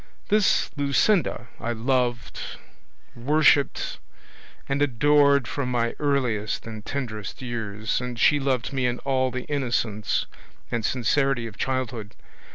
This Luscinda I loved, worshipped, and adored from my earliest and tenderest years, and she loved me in all the innocence and sincerity of childhood.